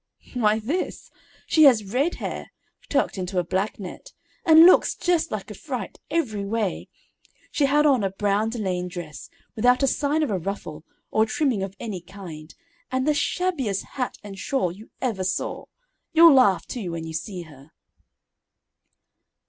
"Why, this: she has red hair, tucked into a black net, and looks just like a fright, every way. She had on a brown delaine dress, without a sign of a ruffle, or trimming of any kind, and the shabbiest hat and shawl you ever saw. You'll laugh, too, when you see her."